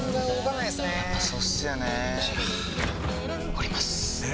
降ります！